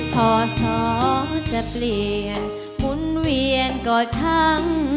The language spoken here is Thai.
พอสอจะเปลี่ยนหมุนเวียนก็ช่าง